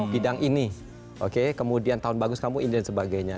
bidang ini oke kemudian tahun bagus kamu ini dan sebagainya